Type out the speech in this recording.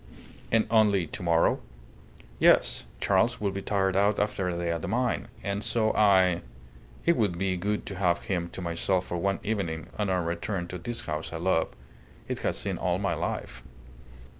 "And only to morrow?" "Yes. Charles would be tired out after a day at the mine, and so I It would be good to have him to myself for one evening on our return to this house I love. It has seen all my life."